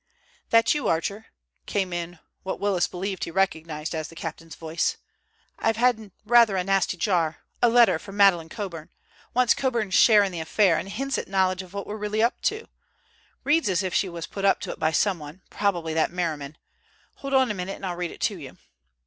"That you, Archer?" came in what Willis believed he recognized as the captain's voice. "I've had rather a nasty jar, a letter from Madeleine Coburn. Wants Coburn's share in the affair, and hints at knowledge of what we're really up to. Reads as if she was put up to it by someone, probably that —— Merriman. Hold on a minute and I'll read it to you."